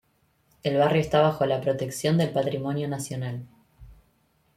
El barrio está bajo la protección del patrimonio nacional.